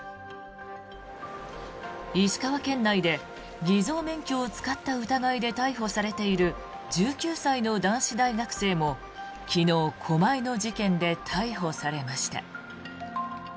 石川県内で偽造免許を使った疑いで逮捕されている１９歳の男子大学生も昨日、狛江の事件で逮捕されました。